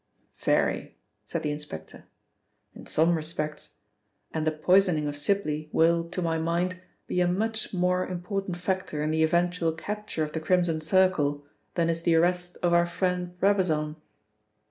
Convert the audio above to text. "Very," said the inspector. "In some respects, and the poisoning of Sibly will, to my mind, be a much more important factor in the eventual capture of the Crimson Circle than is the arrest of our friend Brabazon."